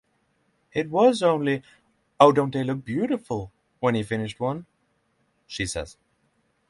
"It was only, 'Oh, don't they look beautiful' when he finished one," she says.